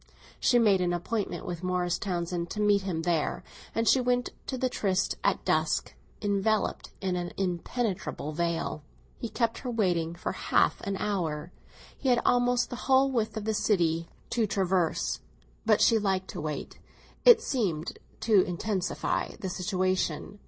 She made an appointment with Morris Townsend to meet him there, and she went to the tryst at dusk, enveloped in an impenetrable veil. He kept her waiting for half an hour—he had almost the whole width of the city to traverse—but she liked to wait, it seemed to intensify the situation.